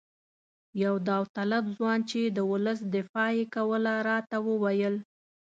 یو داوطلب ځوان چې د ولس دفاع یې کوله راته وویل.